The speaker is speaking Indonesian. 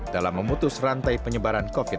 dalam memutus rantai penyebaran covid sembilan belas